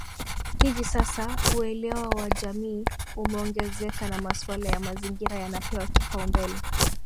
Hivi sasa uelewa wa jamii umeongezeka na masuala ya mazingira yanapewa kipaumbele